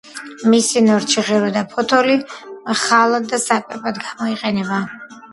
მისი ნორჩი ღერო და ფოთოლი მხალად და საკვებად გამოიყენება.